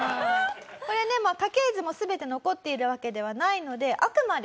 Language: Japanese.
これねまあ家系図も全て残っているわけではないのであくまで